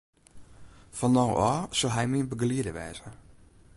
Fan no ôf sil hy myn begelieder wêze.